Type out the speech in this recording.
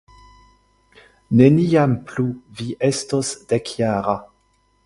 Neniam plu vi estos dekjara.